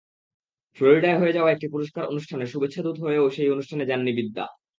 ফ্লোরিডায় হয়ে যাওয়া একটি পুরস্কার অনুষ্ঠানের শুভেচ্ছাদূত হয়েও সেই অনুষ্ঠানে যাননি বিদ্যা।